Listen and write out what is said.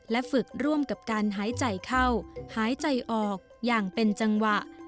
ฝึกร่วมกับการหายใจเข้าหายใจออกอย่างเป็นจังหวะ